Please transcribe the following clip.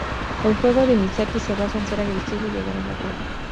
El juego de Misaki se basa en ser agresivo y llegar a la red.